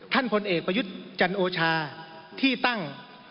พลเอกประยุทธ์จันโอชาที่ตั้ง